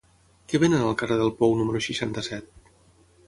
Què venen al carrer del Pou número seixanta-set?